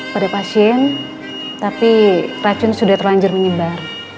pada pasien tapi racun sudah terlanjur menyebar